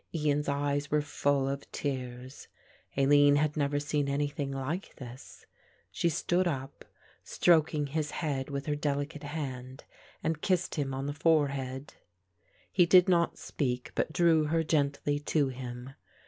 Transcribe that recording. Ian's eyes were full of tears. Aline had never seen anything like this; she stood up, stroking his head with her delicate hand and kissed him on the forehead. He did not speak, but drew her gently to him.